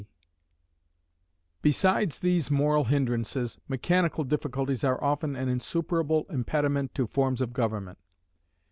Besides these moral hindrances, mechanical difficulties are often an insuperable impediment to forms of government.